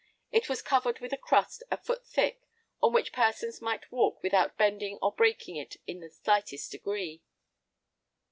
It was covered with a crust a foot thick, on which persons might walk without bending or breaking it in the slightest degree.